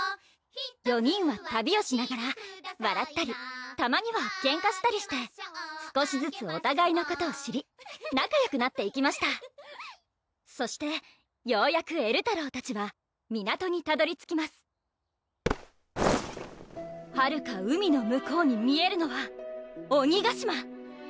４人は旅をしながらわらったりたまにはけんかしたりして少しずつおたがいのことを知りなかよくなっていきましたそしてようやくえるたろうたちは港にたどり着きますはるか海の向こうに見えるのは鬼ヶ島！